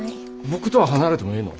僕とは離れてもええの？